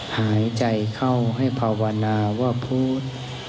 หายใจเข้าให้ภาวนาว่าพูด